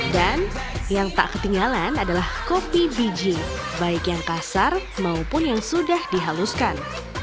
dan yang tak ketinggalan adalah kopi biji baik yang kasar maupun yang sudah dihaluskan